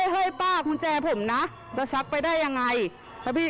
เฮ้ยป้ากุญแจผมนะแล้วชักไปได้ยังไงนะพี่